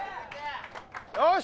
・よし！